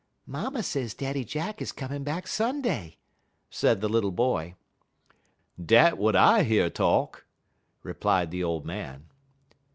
"Mamma says Daddy Jack is coming back Sunday," said the little boy. "Dat w'at I year talk," replied the old man.